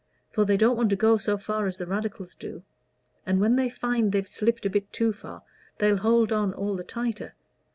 For they don't want to go so far as the Radicals do, and when they find they've slipped a bit too far they'll hold on all the tighter.